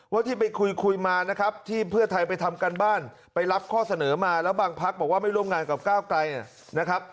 ที่ไปคุยคุยมานะครับที่เพื่อไทยไปทำการบ้านไปรับข้อเสนอมาแล้วบางพักบอกว่าไม่ร่วมงานกับก้าวไกลนะครับ